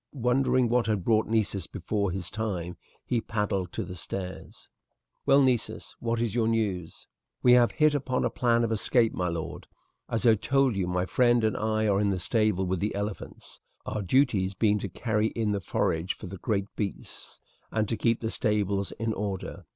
Wondering what had brought Nessus before his time, he paddled to the stairs. "Well, Nessus, what is your news?" "We have hit upon a plan of escape, my lord. As I told you my friend and I are in the stable with the elephants, our duties being to carry in the forage for the great beasts, and to keep the stables in order.